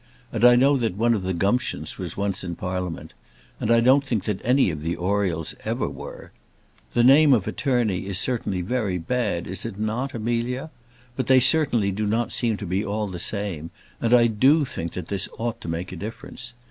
And I know that one of the Gumptions was once in Parliament; and I don't think that any of the Oriels ever were. The name of attorney is certainly very bad, is it not, Amelia? but they certainly do not seem to be all the same, and I do think that this ought to make a difference.